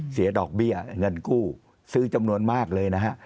เสียดอกเบี้ยเงินกู้ซื้อจำนวนมากเลยนะฮะ